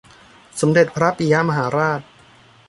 สมเด็จพระปิยมหาราช